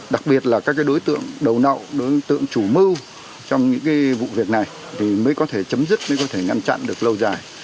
đặc biệt là các đối tượng đầu nậu đối tượng chủ mưu trong những vụ việc này thì mới có thể chấm dứt mới có thể ngăn chặn được lâu dài